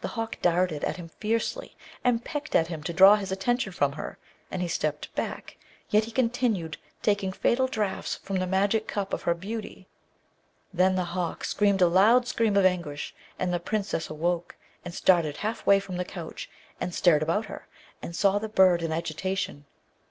The hawk darted at him fiercely, and pecked at him to draw his attention from her, and he stepped back, yet he continued taking fatal draughts from the magic cup of her beauty. Then the hawk screamed a loud scream of anguish, and the Princess awoke, and started half way from the couch, and stared about her, and saw the bird in agitation.